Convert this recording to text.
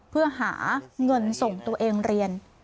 เพื่อหาเงินส่งตัวเองเรียน